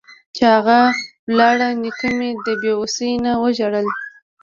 چې اغه لاړ نيکه مې د بې وسۍ نه وژړل.